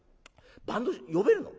バンド呼べるの？